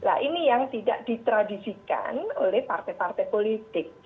nah ini yang tidak ditradisikan oleh partai partai politik